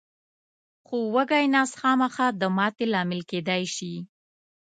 خو وږی نس خامخا د ماتې لامل کېدای شي.